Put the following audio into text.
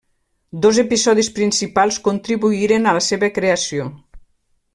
Dos episodis principals contribuïren a la seva creació.